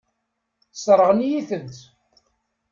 Sseṛɣen-iyi-tent.